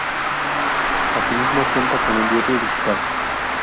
Asimismo cuenta con un diario digital.